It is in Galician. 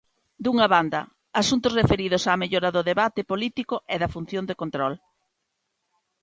Dunha banda, asuntos referidos á mellora do debate político e da función de control.